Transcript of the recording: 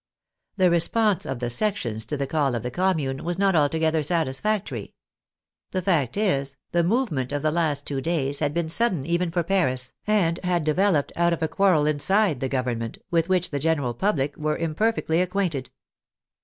The response of the sections to the call of the Commune was not altogether satisfactory. The fact is, the movement of the last two days had been sud den even for Paris, and had developed out of a quarrel inside the government, with which the general public were imperfectly acquainted.